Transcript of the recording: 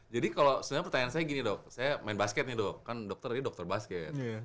jadi kalau sebenarnya pertanyaan saya gini dok saya main basket nih dok kan dokter jadi dokter basket